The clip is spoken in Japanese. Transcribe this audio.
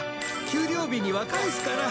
給料日には返すから。